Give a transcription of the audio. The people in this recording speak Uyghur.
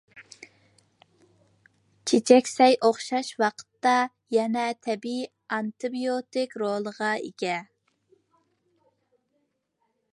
چېچەك سەي ئوخشاش ۋاقىتتا يەنە، تەبىئىي ئانتىبىيوتىك رولغا ئىگە.